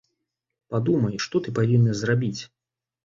Падумай, што ты павінны зрабіць.